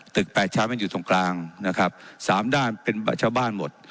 แปดชั้นมันอยู่ตรงกลางนะครับสามด้านเป็นชาวบ้านหมด